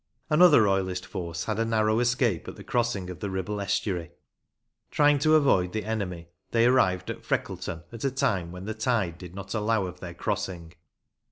Another Royalist force had a narrow escape at the crossing of the Ribble estuary. Trying to avoid the enemy, they arrived at Freckleton at a time when the tide did not allow of their crossing.